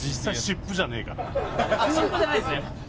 湿布じゃないんですね？